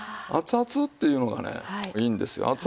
熱々っていうのがねいいんですよ。